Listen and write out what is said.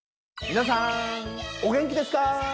皆さんお元気ですか？